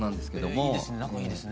へえいいですね